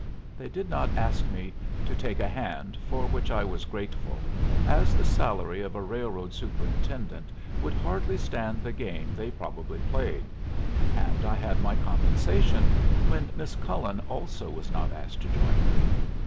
They did not ask me to take a hand, for which I was grateful, as the salary of a railroad superintendent would hardly stand the game they probably played; and I had my compensation when Miss Cullen also was not asked to join them.